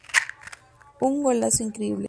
Un golazo increíble.